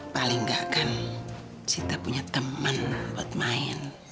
paling gak kan kita punya teman buat main